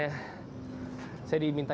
kalau ini tahunya kita beli langsung dari